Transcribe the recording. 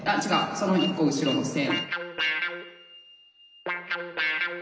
その１個後ろの線。